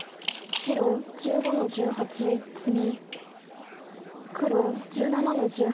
白１８の十九ツギ。